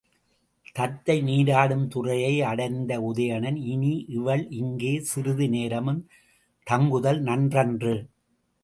தத்தை நீராடும் துறையை அடைந்த உதயணன், இனி இவள் இங்கே சிறிது நேரமும் தங்குதல் நன்றன்று.